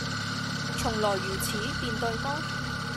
「從來如此，便對麼？」